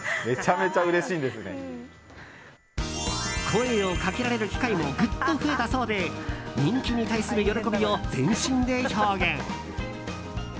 声をかけられる機会もぐっと増えたそうで人気に対する喜びを全身で表現。